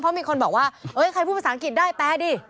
เพราะมีคนบอกว่าใครพูดภาษาอังกฤษได้แปลดิ